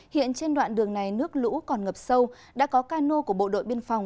hiện trên đoạn đường này nước lũ còn ngập sâu đã có cano của bộ đội biên phòng